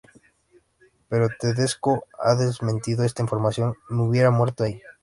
Pero Tedesco ha desmentido esta información: "Me hubiera muerto ahí.